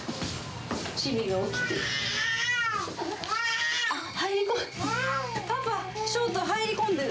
ちびが起きてる。